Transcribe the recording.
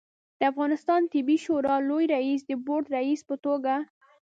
د افغانستان طبي شورا لوي رئیس د بورد رئیس په توګه